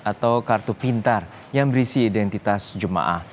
atau kartu pintar yang berisi identitas jemaah